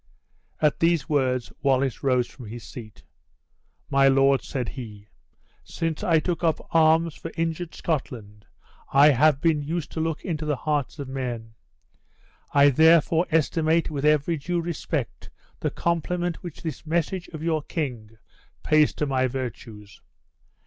At these words Wallace rose from his seat. "My lord," said he, "since I took up arms for injured Scotland, I have been used to look into the hearts of men; I therefore estimate with every due respect the compliment which this message of your king pays to my virtues.